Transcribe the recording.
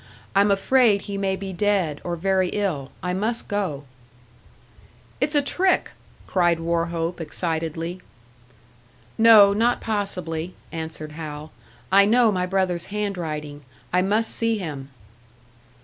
I'm afraid he may be dead, or very ill. I must go." "It's a trick!" cried Wauchope excitedly. "No, not possibly," answered Hal. "I know my brother's handwriting. I must see him."